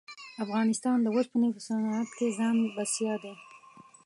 افغانستان د اوسپنې په صنعت کښې ځان بسیا دی.